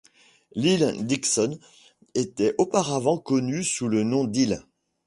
L'île Dikson était auparavant connue sous le nom d'île.